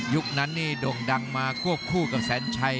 ยุคนั้นนี่โด่งดังมาครับคู่กับแสนไช